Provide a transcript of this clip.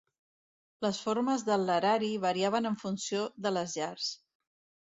Les formes del larari variaven en funció de les llars.